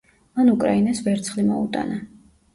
მან უკრაინას ვერცხლი მოუტანა.